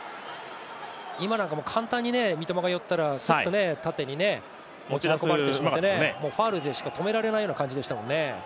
今なんかも簡単に、三笘が寄ったらすっとよけられてファウルでしか止められないような感じでしたもんね。